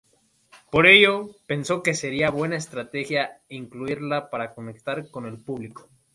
Por ello, pensó que sería buena estrategia incluirla para conectar con el público.